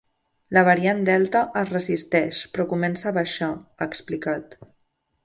“La variant delta es resisteix, però comença a baixar”, ha explicat.